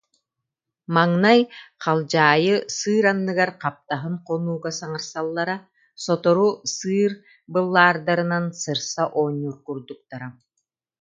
Маҥнай халдьаайы сыыр анныгар хаптаһын хонууга саҥарсаллара, сотору сыыр быллаардарынан сырса оонньуур курдуктара